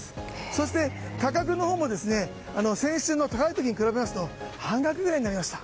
そして、価格のほうも先週の高い時に比べると半額くらいになりました。